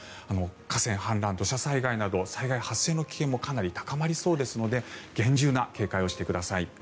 河川氾濫、土砂災害など災害発生の危険もかなり高まりそうなので厳重な警戒をしてください。